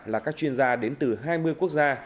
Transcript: là các chuyên gia đến từ hai mươi quốc gia